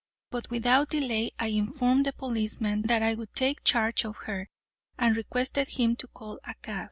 But without delay I informed the policeman that I would take charge of her, and requested him to call a cab.